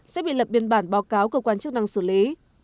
sẽ bị lập biên bản báo cáo cơ quan chức năng xử lý